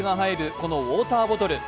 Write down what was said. このウォーターボトル。